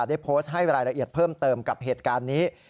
ได้โพสต์ให้รายละเอียดเพิ่มเติมกับเหตุการณ์นี้